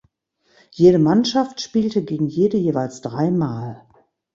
Jede Mannschaft spielte gegen jede jeweils drei Mal.